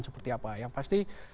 seperti apa yang pasti